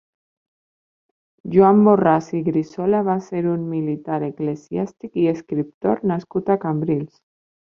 Joan Borràs i Grisola va ser un militar, eclesiàstic i escriptor nascut a Cambrils.